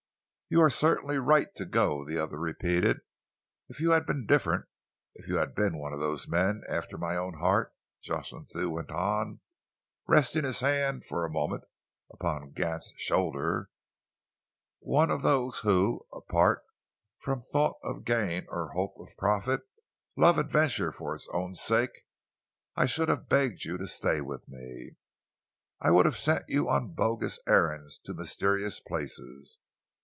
"You are certainly right to go," the other repeated. "If you had been different, if you had been one of those men after my own heart," Jocelyn Thew went on, resting his hand for a moment upon Gant's shoulder, "one of those who, apart from thought of gain or hope of profit, love adventure for its own sake, I should have begged you to stay with me. I would have sent you on bogus errands to mysterious places.